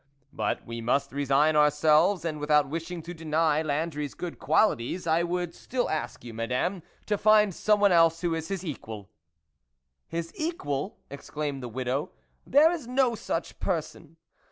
But we must resign ourselves, and without wishing to deny Landry's good qualities, I would still ask you, Madame, to find someone else who is his equal." " His equal !" exclaimed the widow, " there is no such person.